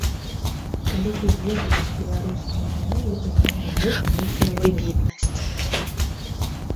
Калі ты ведаеш беларускую мову, у гэтым ёсць нейкая выбітнасць.